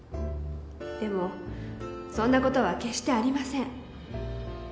でもそんなことは決してありません。